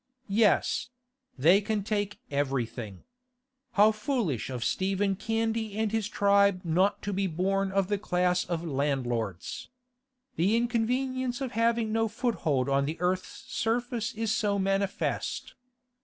Yes; they can take everything. How foolish of Stephen Candy and his tribe not to be born of the class of landlords! The inconvenience of having no foothold on the earth's surface is so manifest.